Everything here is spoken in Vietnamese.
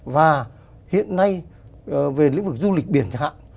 và hiện nay về lĩnh vực du lịch biển chẳng hạn